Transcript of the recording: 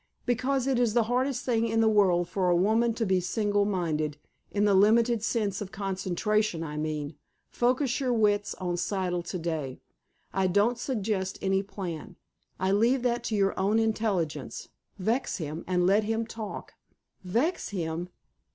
"Because it is the hardest thing in the world for a woman to be single minded, in the limited sense of concentration, I mean. Focus your wits on Siddle to day. I don't suggest any plan. I leave that to your own intelligence. Vex him, and let him talk." "Vex him!"